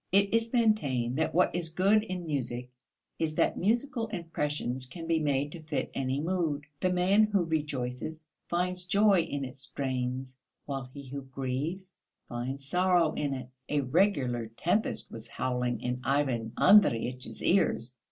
It is maintained that what is good in music is that musical impressions can be made to fit any mood. The man who rejoices finds joy in its strains, while he who grieves finds sorrow in it; a regular tempest was howling in Ivan Andreyitch's ears.